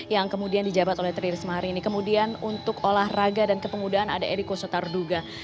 yang kemudian dijabat oleh trirismahari ini kemudian untuk olahraga dan kepengudahan ada eriko sotarduga